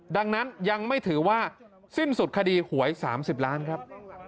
ดังนั้นยังไม่ถือว่าสิ้นสุดคดีหวย๓๐ล้านครับ